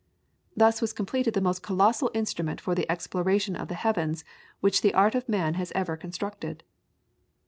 Thus was completed the most colossal instrument for the exploration of the heavens which the art of man has ever constructed.